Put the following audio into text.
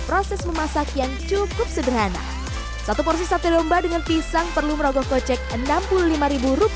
proses memasak yang cukup sederhana satu porsi sate domba dengan pisang perlu merogoh kocek rp enam puluh lima